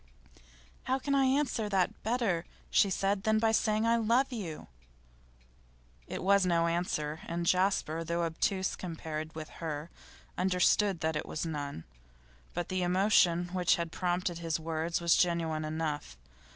'How can I answer that better,' she said, 'than by saying I love you?' It was no answer, and Jasper, though obtuse compared with her, understood that it was none. But the emotion which had prompted his words was genuine enough.